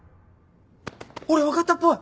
俺分かったっぽい。